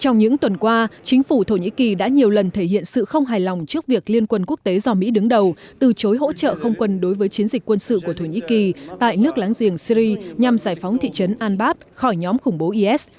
trong những tuần qua chính phủ thổ nhĩ kỳ đã nhiều lần thể hiện sự không hài lòng trước việc liên quân quốc tế do mỹ đứng đầu từ chối hỗ trợ không quân đối với chiến dịch quân sự của thổ nhĩ kỳ tại nước láng giềng syri nhằm giải phóng thị trấn al bab khỏi nhóm khủng bố is